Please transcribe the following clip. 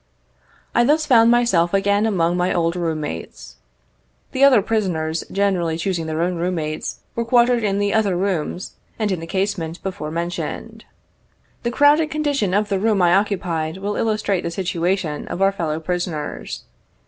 I thus found myself again among my old room mates. The other prisoners, generally choosing their own room mates, were quartered in the other rooms and in the casemate before mentioned. The crowded condition of the room I occupied will illustrate the situation of our fellow prisoners.